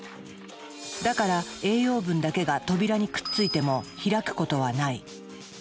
だから栄養分だけが扉にくっついても開くことはない。